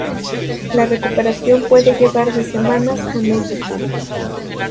La recuperación puede llevar de semanas a meses.